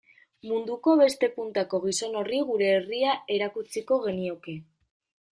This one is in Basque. Munduko beste puntako gizon horri gure herria erakutsiko genioke.